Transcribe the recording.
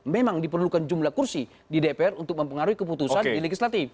memang diperlukan jumlah kursi di dpr untuk mempengaruhi keputusan di legislatif